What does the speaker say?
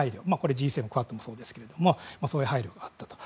Ｇ７、クアッドもそうですけどそういう配慮があったと。